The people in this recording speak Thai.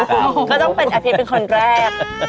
ก็ต้องเป็นอาทิตย์เป็นคนแรก